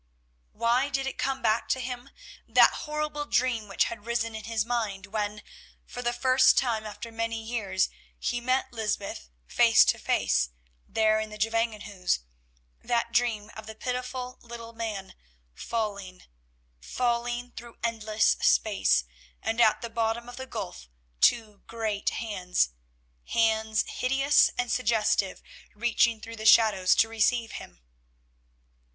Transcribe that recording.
... Why did it come back to him, that horrible dream which had risen in his mind when, for the first time after many years, he met Lysbeth face to face there in the Gevangenhuis, that dream of the pitiful little man falling, falling through endless space, and at the bottom of the gulf two great hands, hands hideous and suggestive, reaching through the shadows to receive him?